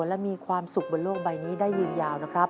และมีความสุขบนโลกใบนี้ได้ยืนยาวนะครับ